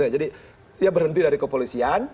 jadi dia berhenti dari kepolisian